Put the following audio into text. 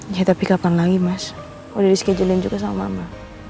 ya tapi kapan lagi mas udah di schedulein juga sama mama